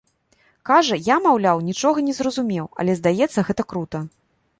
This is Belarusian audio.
Кажа, я, маўляў, нічога не зразумеў, але, здаецца, гэта крута.